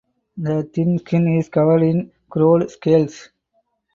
The thin skin is covered in grooved scales.